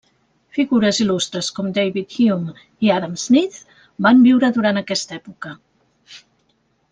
Figures il·lustres com David Hume i Adam Smith van viure durant aquesta època.